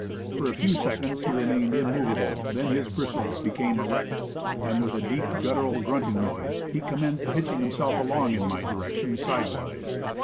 For a few seconds he remained im movable, then his bristles became erect, and with a deep, guttural, grunting noise, he commenced hitch ing himself along in my direction, sidewise.